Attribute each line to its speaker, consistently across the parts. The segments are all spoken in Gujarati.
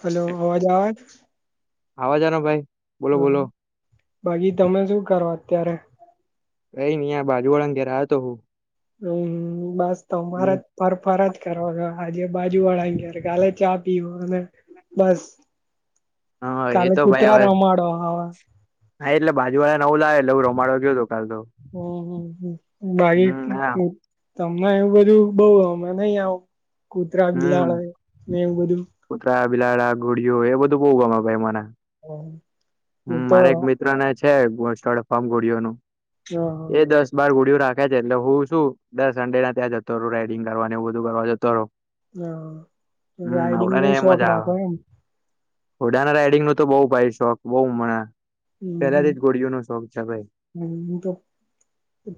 Speaker 1: હેલો અવાજ આવે.
Speaker 2: આવાજનો ભાઈ બોલો
Speaker 1: હા
Speaker 2: બોલો.
Speaker 1: બાકી તમે શું કર અત્યારે?
Speaker 2: કઈ ન અં બાજુવાળ અ ઘેરતો હું.
Speaker 1: હમ બસ
Speaker 2: હમ
Speaker 1: તમારા જ ફર ફર જ કરવા આજે બાજુ વાળા ગ કાલે ચા પીવ અને બસ.
Speaker 2: હા એ
Speaker 1: કાલે
Speaker 2: તો ભાઈ હવે
Speaker 1: કુતારા રમાડવ હવા.
Speaker 2: હા એટલે બાજુ વાળા નવું લાવે એટલે હું રમાડો ગયો હતો કાલ તો.
Speaker 1: બા
Speaker 2: હમ હા
Speaker 1: તમને એવું બધું બઉ અમે નહી આવું. કૂતરા, બિલાડા એવુ બધું.
Speaker 2: બિલાળડા, ઘોડિયો એ બધું બઉુ ગમે ભાઈ મને.
Speaker 1: હા.
Speaker 2: હમ
Speaker 1: હું તો
Speaker 2: મારે
Speaker 1: હ
Speaker 2: એક મિત્ર ને છેળ ફારમ ઘોળઓનુ એ દસ બાર ગોડયો રાખે છે એટલે હું શું દસ સંન્ડે ના ત્યાં જતો રહો રાઈડિંગ કરવા ને એ બધું કરવા જતો રહો.
Speaker 1: હા રાઈડિંગ
Speaker 2: ને
Speaker 1: ન શોખ
Speaker 2: મજા આવે
Speaker 1: રાખો એમ.
Speaker 2: ઘોડાના રાઈડિંગ નો તો બઉ ભાઈ શોખ બઉણા પેલાથી જ ગોડીયો નો શોખ છે. ભાઈ
Speaker 1: હ તો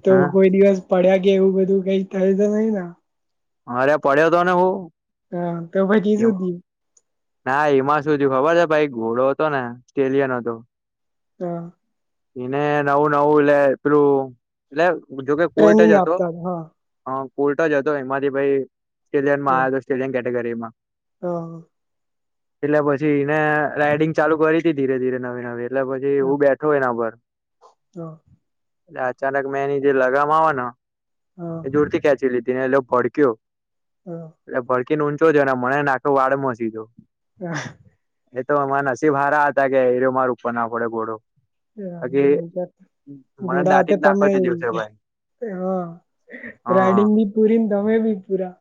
Speaker 1: તો
Speaker 2: હા
Speaker 1: કોઈ દિવસ પડ્યા કે એવું બધું કઈ થ નહીને
Speaker 2: અરે પડ્યો હતો ને હું.
Speaker 1: હા તો ભકીી સુધી
Speaker 2: ના એમાં સુધી ખબર છે ભાઈ ઘોડો હતો ને ઓસ્ટ્રેલિયા ન હતો
Speaker 1: હા
Speaker 2: એને નવું નવું લ એું એટલે જોકે કોર્ટ
Speaker 1: ટ્રેનિંગ
Speaker 2: જ હતો
Speaker 1: આપતા હા
Speaker 2: હ કોર્ટ જ હતો એમાંથી ભાઈ
Speaker 1: હા
Speaker 2: ઓસ્ટ્રેલિનમાં ઓસ્ટ્રેલિયન કેટેગરીમાં
Speaker 1: હા
Speaker 2: એટલે પછીને રાઈડિંગ ચાલુ કરી હતીી ધીરે ધીરે નવી નવી એટલે પછી
Speaker 1: હા
Speaker 2: હું બેઠો એના પર એટ અચાનક મેં એની જે લગ આવે ને એ દૂર
Speaker 1: હા
Speaker 2: થી ખેંચી લીધી ને એટલે ભડક્યો
Speaker 1: હા
Speaker 2: એટલે ભડકીને ઊંચો જો ને મને નાખ વાળ મસીજો
Speaker 1: હા
Speaker 2: એ તો એમા નસીબ હારા હતા કે એર માર ઉપર ના પડે ઘોડો બાકી
Speaker 1: હજ
Speaker 2: મને
Speaker 1: ઘોડા
Speaker 2: દાટી
Speaker 1: તે
Speaker 2: જ નાખો
Speaker 1: તમે
Speaker 2: દિવસે
Speaker 1: એ
Speaker 2: ભાઈ
Speaker 1: હા
Speaker 2: હા
Speaker 1: રાઇડિંગ બી પૂરીને તમે બી પૂરા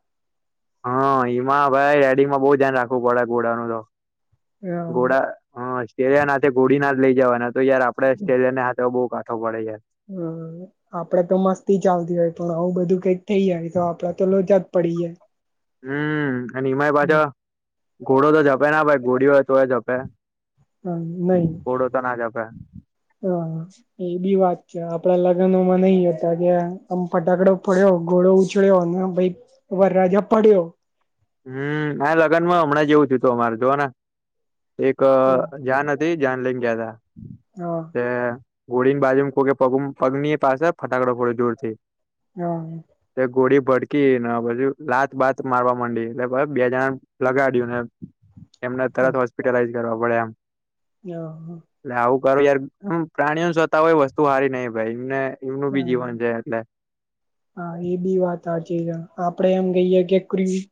Speaker 2: હા હમા ભાઈ રેડીમાં બહુ ધ્યાન રાખવું પડ ઘોડાનું તો
Speaker 1: હા
Speaker 2: ઘોડા ઓસ્ટ્રેલિયા નાથે ઘોડી ના જ લઈ જવાના તો યાર આપડે ઓસ્ટ્રેલિયા ના હાથે બ પાઠો પડે જાય છે
Speaker 1: હમ આપડે તો મસ્તી ચાલતી હોય પણ આવું બધું કઈ થઈ જાય તો આપડા તો લો જ જ પડી જાય
Speaker 2: હમ અને એમાંય પાછો ઘોડો તો જપે ના ભાઈ ઘોડી હોય તોય જપે
Speaker 1: હા નહી
Speaker 2: ઘોડો તો ના જપે
Speaker 1: હ એ બી વાત છે આપડા લ નહી હતા કે આમ ફટાકડો પડ્યો ઘોળો ઉછળ્યો ભર રાજા મળડ્યો
Speaker 2: હમ આ લગ્નમાં હમણાં જેવું થયતું અમારે જોવાના એક
Speaker 1: હા
Speaker 2: જાન હતી જાન લઈને ગયા હતાા
Speaker 1: હા
Speaker 2: તે ગોળીની બાજુ ખોકેગ પગની પાસે ફટાકડાો પડે દૂર થી
Speaker 1: હમ
Speaker 2: ગોડીી ભડકી ને પછી લાત બાાત મારવા માંડી એટલે બે જણા લગાડ્યું ને એમને તરત હોસ્પિટલાઈઝ કરવા પડે એમ
Speaker 1: હા હા
Speaker 2: યાર પ્રાણીઓને છતાં હોય વસ્તુ હારી નહ ભાઈ એમને એમનું બી
Speaker 1: હા
Speaker 2: જીવન છે એટલે
Speaker 1: હા એ બી વાત સા છેી આપડે એમ કહીયે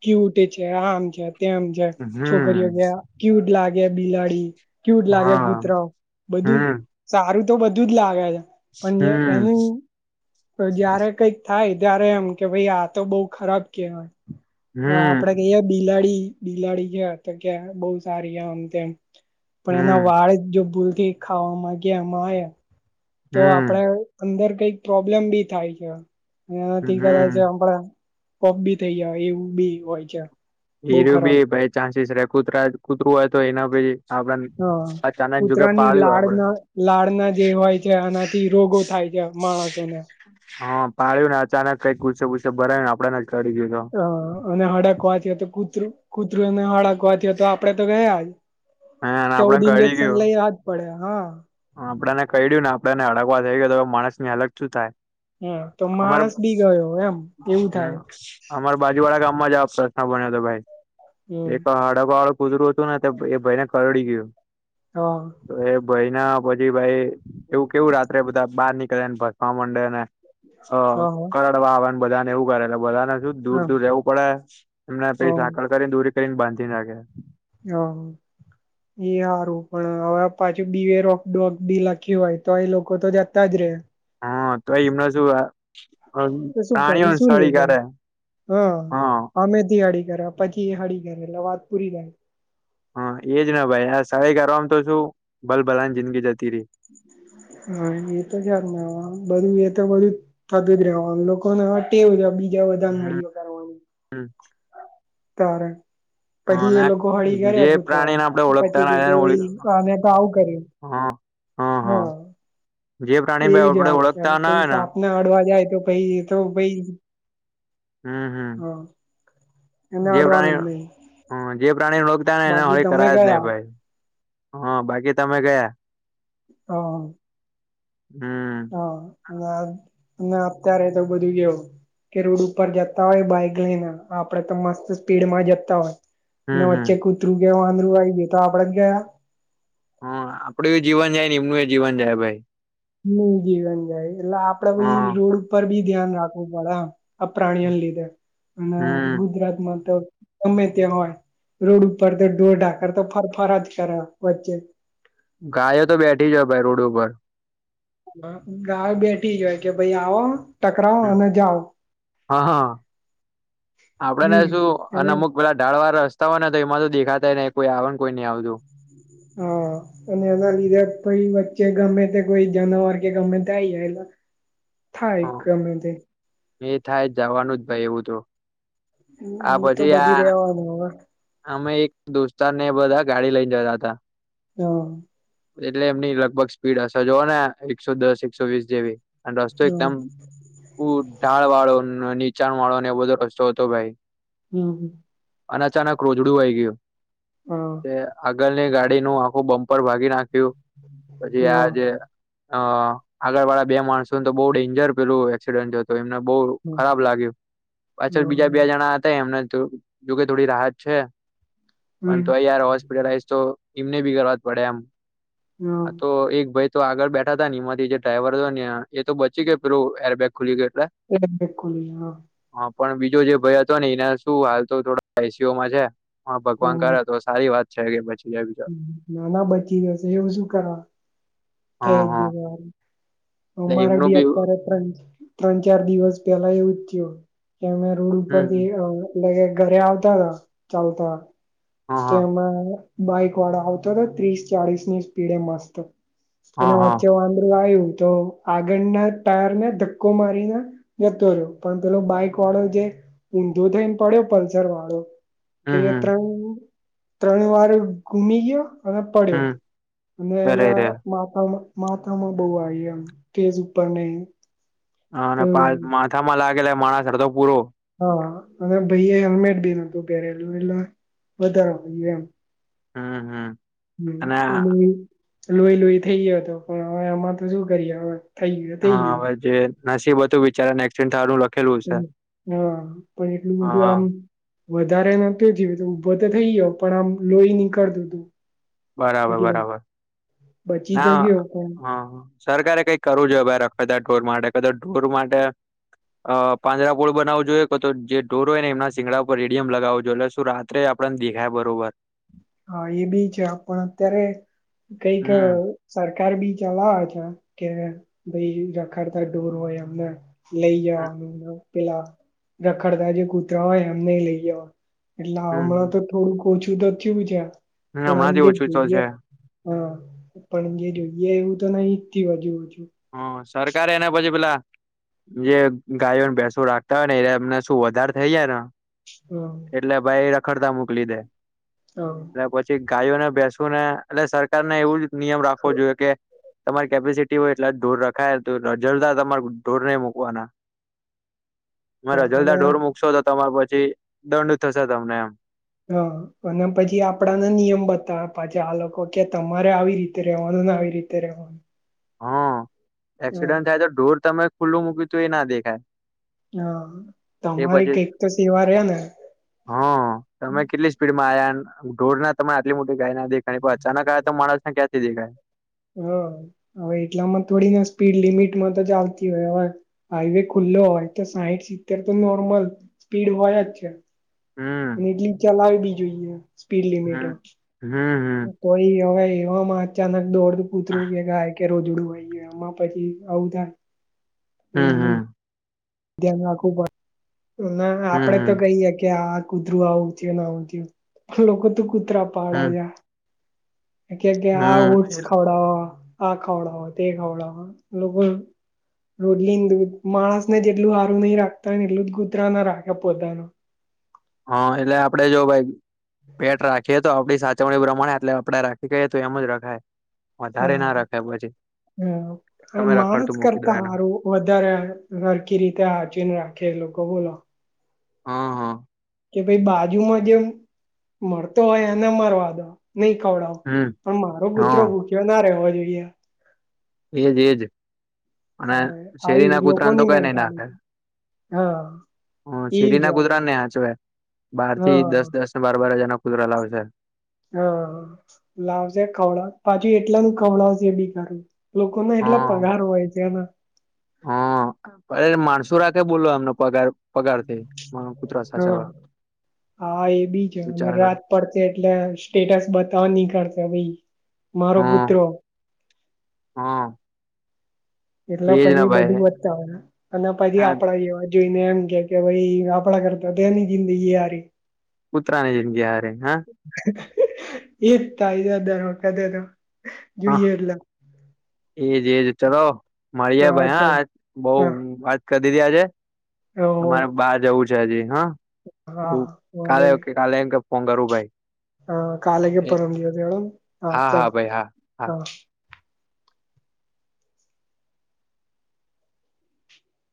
Speaker 1: ક્યુટ છે આમ છે તેમ છે છોકરીઓ
Speaker 2: હમ
Speaker 1: કે ક્યુટ લાગે બિલાડી કયુ જ લાગે
Speaker 2: હા
Speaker 1: કૂતરાવ બધું
Speaker 2: હમ
Speaker 1: સારું તો બધું જ લાગે છે પણ
Speaker 2: હમ
Speaker 1: એનું જયારે કઈક થાય ત્યારે એમ કે ભાઈ આ તો બઉ ખરાબ કહેવાય આપડે
Speaker 2: હમ
Speaker 1: કહીય બિલાડી બિલાડી છે તો કે બઉ સારી આમ તેમ પણ એના
Speaker 2: હમ
Speaker 1: વાળ જો ભૂલથી ખાવા માંગ્યા એમાં તો આપડે
Speaker 2: હમ
Speaker 1: અંદર કઈક પ્રોબ્લેમ બી થાય છે એનાથી
Speaker 2: હમ
Speaker 1: કદાચ આપણા પોપ બી થઈ ગયા એવું બી હોય છે બહુ
Speaker 2: એનું
Speaker 1: ખરાબ
Speaker 2: બી બાય ચાન્સસ કૂતરા કૂતરું હોય તો એના પછી
Speaker 1: હા કૂતરા ની
Speaker 2: આપડે
Speaker 1: લાળના લાળના જે હોય છે આના થી રોગો થાય છે માણસ
Speaker 2: હા પાળ્યું ને અચાનક કઈક ગુસ્સે ગુસ્સે ભરાય ને આપડ
Speaker 1: હ અને હળકવાથી તો કૂતરું કૂતરું અને હડકવાથી તો આપડે તો ગયા જ
Speaker 2: હ
Speaker 1: ચૌદ ઇન્જેક્શન લઈવા જ પડે હા
Speaker 2: આપેને કહીડયું ને આપણને અડગવા થઇ ગય તો માણસ ની અલગ શું થાય
Speaker 1: હા તો
Speaker 2: અર
Speaker 1: માણસ બી ગયો એમ એવું થાય
Speaker 2: હ અમાર બાજુ વાળા ગામમાં જવા પ બન્યો હતો ભાઈ
Speaker 1: હમ
Speaker 2: એક હડકો વાળું કુતરું હતું ને એ ભાઈને કરડી ગયું
Speaker 1: હા
Speaker 2: તો એ ભઈ ના પછી ભાઈ એવું કેવું રાત્રે બધા બહાર નીકળેને ભસવા માંડેને હ
Speaker 1: હા
Speaker 2: કરડવા આવેને બધા ને એવું કરે બધાને શું દૂર
Speaker 1: હા
Speaker 2: દૂર રવું પડે અને પછી
Speaker 1: હા
Speaker 2: સાકળ કરી દોરી કરીને બાંધી નાખે
Speaker 1: હમ એ સારું પણ હવે પાછું બીવેર ઓફ ડોગ બી લખ્યું હોય તો એ લોકો તો જતા જ રે
Speaker 2: હા તો એ [unintelligible]
Speaker 1: તો શું કરી શું લેશો હા હામેથી અડી ર પછી એ હળી ઘરે એટલે વાત પૂરી થાય
Speaker 2: હા એજ ના ભાઈ આ સહી કરવામાં તો શું ભલ ભલાની જિંદગી જતી રહી
Speaker 1: હા એ તો [unintelligible] બધું એ તો બધું થતું જ રહેવાનું લોકોને આ ટેવ છે બી એ બધાનું
Speaker 2: હમ
Speaker 1: નહીં લગાડવાનું તારે
Speaker 2: હ
Speaker 1: પછી એ લોકો હળી
Speaker 2: જે
Speaker 1: કરે
Speaker 2: પ્રાણીને
Speaker 1: કૂતરાઓને
Speaker 2: આપણે ઓળખતા
Speaker 1: પછી
Speaker 2: ના
Speaker 1: કે કે
Speaker 2: એને
Speaker 1: હવે
Speaker 2: ઓળ
Speaker 1: ઈ અમે તો આવું કરીએ
Speaker 2: હા
Speaker 1: હા
Speaker 2: જે પ્રાણીને
Speaker 1: એવી જ
Speaker 2: આપડે
Speaker 1: વાત છે
Speaker 2: ઓળખતા ના
Speaker 1: પઈ
Speaker 2: હોય ને
Speaker 1: સાપને અડવા જાય તો ભઈ એ તો ભઈ
Speaker 2: હું હું
Speaker 1: એને
Speaker 2: જે પ્રાણી
Speaker 1: અડવાનું જ નહી
Speaker 2: અ જે પ્રાણી ને રોગ થાય એને
Speaker 1: બાકી
Speaker 2: હળી
Speaker 1: તમે
Speaker 2: કરાય જ
Speaker 1: ગયા
Speaker 2: નહીં ભાઈ હા બાકી તમે ગયા
Speaker 1: હા
Speaker 2: હમ
Speaker 1: હા અને ને અત્યારે તો બધું કેવું કે રોડ ઉપર જતા હોય બાઈક લઈને આપડે તો મસ્ત સ્પીડ માં જતા હોય અને
Speaker 2: હમ હમ
Speaker 1: વચ્ચે કૂતરું કે વાંદરુ આઈ ગયું તો આપડે તો ગયા
Speaker 2: હાં આપડુંય જીવનછે ને એમનુંય જીવન છે ને ભાઈ
Speaker 1: નહી જીવન જાય એટલે આપડે બી
Speaker 2: હા
Speaker 1: રોડ ઉપર બી ધ્યાન રાખવું પડે એમ આ પ્રાણીઓને લીધે અને
Speaker 2: હમ
Speaker 1: ગુજરાતમાં તો ગમે ત્યાં હોય રોડ ઉપર તો ઢોરાકર તો ફરફર જ કરે વચ્ચે
Speaker 2: ગાયો તો બેઠી જ ભાઈ રોડ ઉપર
Speaker 1: ગાય બેઠી જ હોય કે ભાઈ આવો ટકરાવ અને
Speaker 2: હા
Speaker 1: જાઓ
Speaker 2: આપડે ને
Speaker 1: હમ
Speaker 2: શું અને અમુક પેલા ઢાળવા કહો ને તો એમાં તો દેખાતા ને કોઈ આવે ને કોઈ નહી આવે જો
Speaker 1: હા અને એના લીધે કોઈ વચ્ચે ગમે તે કોઈ જનાવર કે ગમે તેઈ જાય એ
Speaker 2: હ એ થાય જવાનું જ ભાઈ એવું તો આ
Speaker 1: એ તો
Speaker 2: પછી
Speaker 1: બધું
Speaker 2: આ
Speaker 1: રેવાનું હવે
Speaker 2: અમે એક દોસ્તર ને એ બધા ગાડી લઈને જતા હતા
Speaker 1: હા
Speaker 2: એટલે એમની લગભગ સ્પીડ હશે જોવ ને આ એકસો દસ એકસો વીસ જેવી અને રસ્તો
Speaker 1: હા
Speaker 2: એકદમ [unintelligible] ઢાળ વાળો ન નીચાણ વાળો ને એ બધો રસ્તો હતો ભાઈ
Speaker 1: હમ
Speaker 2: અને અનાચાનક રોજડું આઈ ગયું
Speaker 1: હા
Speaker 2: તે આગળની ગાડી નું આખું બમ્પર ભાગી નાખ થયું પછી
Speaker 1: હા
Speaker 2: આજ અ આગળ વાળા બે માણસોને તો બહુ ડેન્જર પેલું એક્સિડેન્ટ થ્યો તો એમને બહુ ખરાબ લાગ્યું પાછળ બીજા
Speaker 1: હા
Speaker 2: બે જણા હતા એમને તો જોકે થોડી રાહત છે પણ
Speaker 1: હમ
Speaker 2: તો યાર હોસ્પિટલાઈઝ તો એમને ભી કરવા જ પડે એમ હા તો એક ભાઈ તો આગળ બેઠા ત ને એમાંથી જે ડ્રાઈવર હતો ને એ તો બચી ગયો લો એરબેગ ખુલી ગયો
Speaker 1: એ બિલકુલ હ હા
Speaker 2: પણ બીજો જે ભય હતો ને એના શું હાલ તો થોડા એસીઓમાં છે ભગવાન
Speaker 1: હા
Speaker 2: કર હતો સારી વાત છે કે પછી
Speaker 1: નાના બચી ગયો છે એવું શું કરવા
Speaker 2: હા
Speaker 1: થઈ
Speaker 2: હા
Speaker 1: ગયું રહેવા દે
Speaker 2: એટલે
Speaker 1: અમારા
Speaker 2: એમનું
Speaker 1: બી અત્યારે ત્રણ ત્રણ ચાર દિવસ પેલા એવું જ થયું કે અમે રોડ
Speaker 2: હમ
Speaker 1: ઉપરથી
Speaker 2: હમ
Speaker 1: એટલે કે ઘરે આવતા હતાા ચાલતા
Speaker 2: હા હા
Speaker 1: એમાં બાઈક વાળો આવતો હતો ત્રીસ ચાળસની સ્પીડ એ મસ્ત અને
Speaker 2: હા હા
Speaker 1: વચ્ચે વાંદરું આવ્યું તો આગળના ટાયર ને ધક્કો મારીને જતો રહ્યો પણ પેલો બાઈક વાળો જે ઊંધો થઈને પડ્યો પલ્સર વાળો કે
Speaker 2: હમ હમ
Speaker 1: ત્રણ ત્રણ વાર ઘુમ ગયો અને પડ્યો
Speaker 2: હમ
Speaker 1: અને
Speaker 2: અરે
Speaker 1: એના
Speaker 2: રે
Speaker 1: માા માથામાં બહુ આવી એમ તેજ ઉપર નહ
Speaker 2: હા
Speaker 1: તો
Speaker 2: પા માથામાં લાગેલા માણસ અડધો પૂરો
Speaker 1: હા અને ભાઈ એ હેલ્મેટ બી ન હતું પેરેલુ એટ વધારો થ એમ
Speaker 2: હમ હમ અને
Speaker 1: લોહી લોહી થઈ ગયો હતો પણ હવે આમાં તો શું કરીએ હવે થઈ ગયું થઈ
Speaker 2: હા
Speaker 1: ગયું.
Speaker 2: હવે જે નસીબ હતું વિચારા ને એક્સિડ થવાનું લખ
Speaker 1: હા પણ એટલું બધું
Speaker 2: હા
Speaker 1: આમ વધારે નત જીવે તો ઊભો તો થઈ ગયો પણ આમ લોહી નીકળતું હતું
Speaker 2: બરાબર
Speaker 1: એટલે
Speaker 2: બરાબર
Speaker 1: બચી તો
Speaker 2: ના
Speaker 1: ગયો પણ
Speaker 2: હા સરકારે કઈક કરવું જોએઈ રખદ ઢોર માટે કદા ઢોર માટે અ પાંજરાપોળ બનાવું જોઈએ કે તો જે ઢોરો હોય ને એમના સીંગડા ઉપર રેડિયમ લગાવું જોઈએ એટલે રાત્રે આપણ દેખાાય બરોબર
Speaker 1: હા એ બી છે પણ અત્યારે કઈક
Speaker 2: હમ
Speaker 1: બી ચલા છે કે ભાઈ રખડતાઢોર હોય એમને લઈ જવાનું પેલા રખડતા જે કુતરા હોય એમને લઈ જવા એટલે હમણાં તો
Speaker 2: હમ
Speaker 1: થોડુંક ઓછું તો થયું છે પણ આમ
Speaker 2: હમણાંથી
Speaker 1: જે
Speaker 2: ઓછું તો
Speaker 1: જોઈએ
Speaker 2: છે
Speaker 1: હા પણ જે જોઈએ એવું તો નહીં થયું હજુ
Speaker 2: હ સરકાર એને બજે પેલા જે ગાયોને ભેસો રાખતા હોય ને એ એમને શું વધારે થઇ જાય ને
Speaker 1: હમ
Speaker 2: એટલે ભાઈ રખડતા મોકલી દે
Speaker 1: હમ
Speaker 2: એટલે પછી ગાયોને બેસો ને એટલે સરકારને એવું જ નિયમ રાખવો જોઈએ કે તમારી કેપેસિટી હોય એટલા ઢોર રખાય તો રજરતા તમારે ઢોર નહિ મુૂકવાના મારા જલદા
Speaker 1: અને
Speaker 2: ઢોર મુૂકશો તો તમારે પછી દંડ થશે તમને એમ
Speaker 1: હા અને પછી આપડાને નિયમ બતાવે પાછા આ લોકો કે તમારે આવી રીતે રહેવાનું આવી રીતે રહેવાનું
Speaker 2: હા એક્સિડન્ટ થાય તો ઢોર તમે ખુલ્લું મૂક્યું હતું એ ના દેખાય
Speaker 1: હા
Speaker 2: એ
Speaker 1: તમારી
Speaker 2: પછી
Speaker 1: કઈક તો સેવા રે ને
Speaker 2: હા તમે કેટલી સ્પીડમાં આયા ઢોર ના તમે આટલી મોટી ગાય ના દેખાય કો અચાનક આ તો માણસ ને ક્યાંથી દેખાય
Speaker 1: હા હવે એટલામાં થોડી ના સ્પીડ લિમિટમાં તો જ આવતી હોય હવે હાઈવે ખુલ્લી લોય તો સાહીઠ સિત્તેર તો નોર્મલ સ્પીડ હોય જ છે. અને
Speaker 2: હમ
Speaker 1: એટલી ચલાવી બી જોઈએ સ્પીડ લિમિટ
Speaker 2: હમ હમ હમ
Speaker 1: કોઈ હવે, એમાં અચાનક દોડ કૂતરું કે ગાય કે રોજડું હોય એમાં પછી આવું થાય.
Speaker 2: હમ
Speaker 1: પહિ એનું
Speaker 2: હમ.
Speaker 1: ધ્યાન રાખવું પડે ના
Speaker 2: હમ
Speaker 1: આપડે તો
Speaker 2: હમ
Speaker 1: કહીયે કે આ, કૂતરું આવું થયું ના આવું થયું લોકો તો કૂતરા પાડે
Speaker 2: હમ
Speaker 1: છે. કે આ ઉટ્સ
Speaker 2: હમ
Speaker 1: ખાવડાવ આ ખાવડાવ તે ખાવડાવ લોકો, રોડલી દૂધ માણસ ને જેટલું હારું નહી રાખતાને એટલું જ કુતરા ના રાખે પોતાનું,
Speaker 2: હા, એટલે આપડે જો ભાઈ પેટ રાખીએ. તો આપણી સાચવણી પ્રમાણે એટલે આપડે રાખી ગઈએ તો એમ જ રખાય. વધારે ના રાખે પછી,
Speaker 1: હ
Speaker 2: તમે
Speaker 1: માણસ
Speaker 2: રખડતું મૂકી દો
Speaker 1: કરતા
Speaker 2: એનું
Speaker 1: સારું વધારે સરખી રીતે સાચવી ને રાખવું. એ લોકો બોલો.
Speaker 2: હા હા
Speaker 1: કે ભાઈ બાજુમાં જેમ મળતો હોય એને મારવા દો, નહી ખવડાવ
Speaker 2: હમ
Speaker 1: પણ મારો કૂતરો
Speaker 2: હ
Speaker 1: ભૂખ્યો ના રહેવો જોઈએ.
Speaker 2: એજ એજ અને
Speaker 1: તારે
Speaker 2: શેરી
Speaker 1: આવી
Speaker 2: ના કૂતરાને તો
Speaker 1: લોકોની
Speaker 2: કઈ નઈ નાખે
Speaker 1: મેન્ટાલિટી હા
Speaker 2: હા સિટી
Speaker 1: એજ
Speaker 2: ના
Speaker 1: વાત
Speaker 2: કૂતરા ને સાચવે. બાર થી
Speaker 1: હા
Speaker 2: દસ દસ ને બાર બાર હજારનો કુતરા લાવશે.
Speaker 1: હા લાવશે ખવડાવું પાછું એટલાનું ખવડાવે બી ખરું, લોકો ના એટલા
Speaker 2: હા
Speaker 1: પગાર હોય છે ના,
Speaker 2: હા, અ માણસું રાખે બોલો એમનો પગાર પગાર કુતરા
Speaker 1: હા
Speaker 2: સાચાવા
Speaker 1: હા એ બી છે અને રાત પડશે એટલે સ્ટેટસ બતાવા નિકળશે ભાઈ, મારો
Speaker 2: હા
Speaker 1: કૂતરો
Speaker 2: હા
Speaker 1: એટલે
Speaker 2: એજ ના
Speaker 1: પછી
Speaker 2: ભાઈ
Speaker 1: બધું વધતા હોય અને પછી
Speaker 2: આ
Speaker 1: આપડાવા જોઈને એમ કે કે ભાઈ આપણા કરતા તેની જિંદગી હારી
Speaker 2: કૂતરા ની જિંદગી સારી,
Speaker 1: એ જ થાય છે દરેક વખતે
Speaker 2: હા
Speaker 1: જોઈએ એટલે
Speaker 2: એજ એજ ચલો મળએ ભાઈ હા બઉ
Speaker 1: હા
Speaker 2: વાત કરી દીધી આજે
Speaker 1: હા
Speaker 2: અરે બાર જવું છે હજી હા
Speaker 1: હા
Speaker 2: હું
Speaker 1: વાંધો
Speaker 2: કાલે
Speaker 1: નહી
Speaker 2: કે કાલે એમ કે પંગારુભાઈ
Speaker 1: હા કાલે કે પરમ ગયો
Speaker 2: હા
Speaker 1: હાતાર
Speaker 2: હા ભાઈ હા
Speaker 1: હા